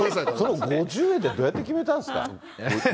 その５０円って、どうやって決めたんですか？